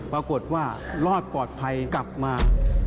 ปรากฏว่ารอดปลอดภัยกลับมา